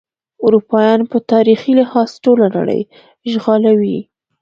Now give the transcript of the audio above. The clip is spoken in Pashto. اروپایان په تاریخي لحاظ ټوله نړۍ اشغالوي.